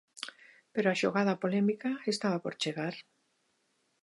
Pero a xogada polémica estaba por chegar.